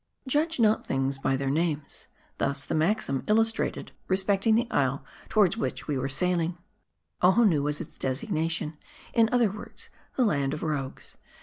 JUDGE not things by their names. This, the maxim il lustrated respecting the isle toward which we were sailing. Ohonoo was its designation, in other words the Land of Pwogues.